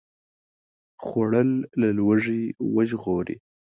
خوړل له لوږې وژغوري